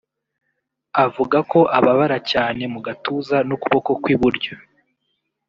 avuga ko ababara cyane mu gatuza n’ukuboko kw’iburyo